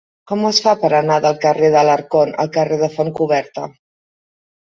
Com es fa per anar del carrer d'Alarcón al carrer de Fontcoberta?